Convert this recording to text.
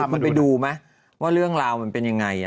มันไปดูไหมว่าเรื่องราวมันเป็นยังไง